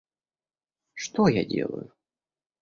Что я делаю?